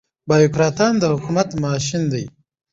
بيوکراتان د حکومت ماشين دي.